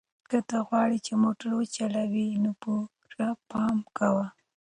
که ته غواړې چې موټر وچلوې نو پوره پام کوه.